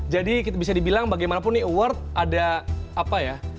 jadi bisa dibilang bagaimanapun ini award ada apa ya